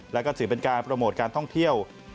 และก็ถือเป็นการโปรโมทการท่องเที่ยว